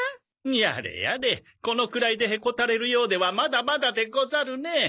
やれやれこのくらいでへこたれるようではまだまだでござるねえ。